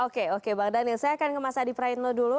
oke oke bang daniel saya akan ke mas adi praetno dulu